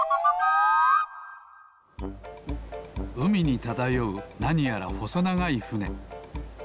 うみにただようなにやらほそながいふね。